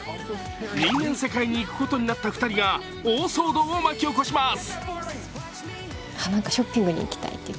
人間世界に行くことになった２人が大騒動を巻き起こします。